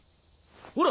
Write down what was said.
ほら！